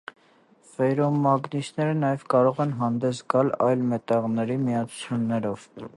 Ֆերոմագնիսները նաև կարող են հանդես գալ այլ մետաղների միացություններով։